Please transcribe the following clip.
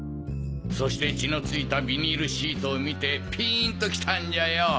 そして血のついたビニールシートを見てピンときたんじゃよ！